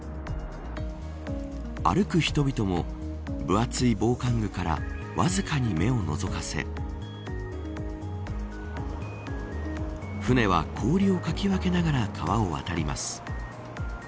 歩く人々も分厚い防寒具からわずかに目をのぞかせ船は氷をかき分けながら川を渡ります。